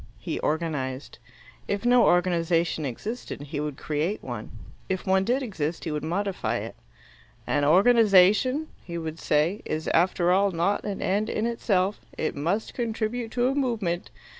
He organized. If no organization existed, he would create one. If one did exist, he would modify it. "An organization," he would say, "is after all not an end in itself. It must contribute to a movement."